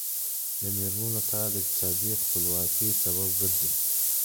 د میرمنو کار د اقتصادي خپلواکۍ سبب ګرځي.